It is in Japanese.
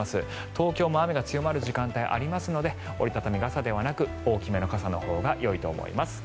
東京も雨が強まる時間帯がありますので折り畳み傘ではなく大きめの傘のほうがよいと思います。